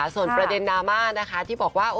ส่วนประเด็นดราม่านะคะที่บอกว่า